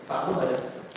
pak mu ada